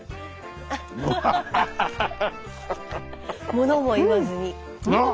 ものも言わずに。